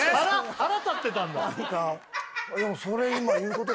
腹立ってたんだ